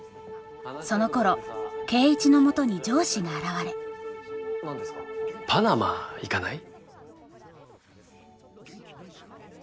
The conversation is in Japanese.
そのころ圭一のもとに上司が現れパナマ行かない？